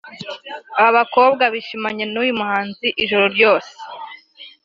Abo bakobwa bishimanye n’uyu muhanzi ijoro ryose